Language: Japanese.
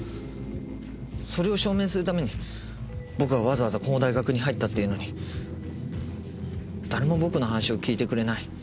それを証明するために僕はわざわざこの大学に入ったっていうのに誰も僕の話を聞いてくれない。